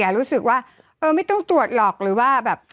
รู้สึกว่าเออไม่ต้องตรวจหรอกหรือว่าแบบ